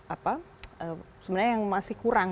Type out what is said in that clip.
apa sebenarnya yang masih kurang